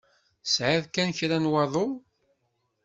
Tesεiḍ kan kra n waḍu.